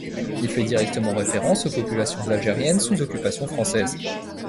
Il fait directement référence aux populations algériennes sous occupation française.